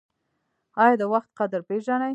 ایا د وخت قدر پیژنئ؟